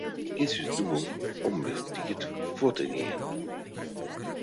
It is ús doel om betiid fuort te gean.